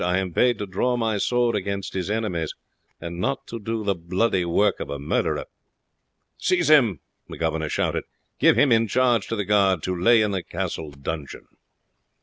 I am paid to draw my sword against his enemies, and not to do the bloody work of a murderer." "Seize him!" the governor shouted. "Give him in charge to the guard, to lay in the castle dungeon."